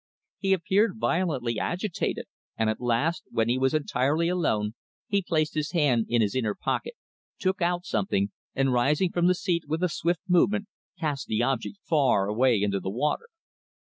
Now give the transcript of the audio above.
He appeared violently agitated, and at last, when he was entirely alone, he placed his hand into his inner pocket, took out something, and rising from the seat with a swift movement cast the object far away into the water."